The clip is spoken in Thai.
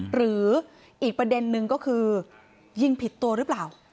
หรืออีกประเด็นนึงก็คือยิงผิดตัวหรือเปล่า